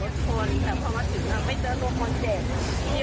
แต่เพราะว่าถึงไม่เจอตัวคนเจ็บมีคนเล่าว่าเขาล้มแล้วรถตู้ชน